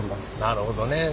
なるほどね。